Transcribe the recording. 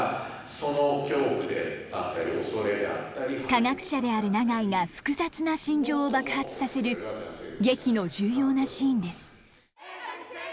科学者である永井が複雑な心情を爆発させる劇の重要なシーンです。